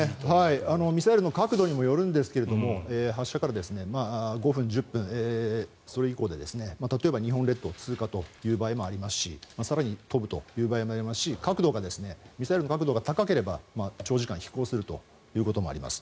ミサイルの角度にもよるんですが発射から５分、１０分それ以降で例えば、日本列島通過という場合もありますし更に飛ぶという場合もありますしミサイルの角度が高ければ長時間飛行するということもあります。